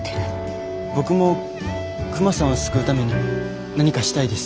僕もクマさんを救うために何かしたいです。